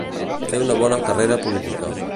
Fer una bona carrera política.